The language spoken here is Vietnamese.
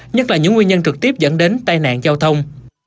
nhất là những nguyên nhân trực tiếp dẫn đến tai nạn giao thông